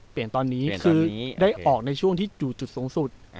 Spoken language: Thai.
ตอนนี้คือได้ออกในช่วงที่อยู่จุดสูงสุด